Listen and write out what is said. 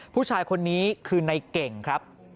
ผู้ชายคนนี้คือในเก่งครับ